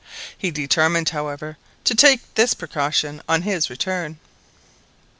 He determined, however, to take this precaution on his return.